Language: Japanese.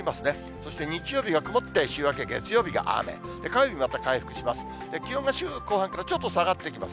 そして日曜日が曇って、週明け月曜日が雨、火曜日また回復します。